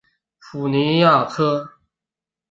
普利尼亚克。